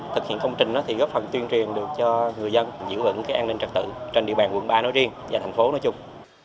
thực hiện công trình góp phần tuyên truyền được cho người dân giữ ẩn an ninh trạng tự trên địa bàn quận ba nói riêng và thành phố nói chung